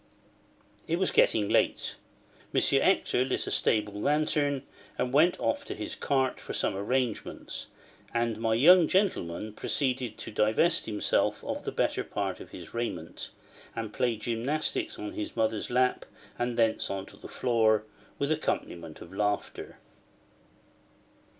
It was getting late. M. Hector lit a stable lantern and went off to his cart for some arrangements; and my young gentleman proceeded to divest himself of the better part of his raiment, and play gymnastics on his mother's lap, and thence on to the floor, with accompaniment of laughter.